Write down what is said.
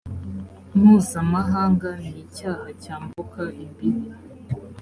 mpuzamahanga n icyaha cyambuka imbibi